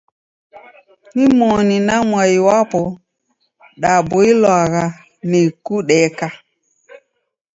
Nimoni na mwai wapo daboilwagha ni kudeka.